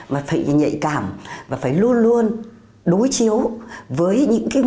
và phải nhạy cảm và phải luôn luôn đối chiếu với những cái nguồn